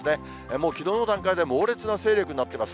もうきのうの段階で猛烈な勢力になってます。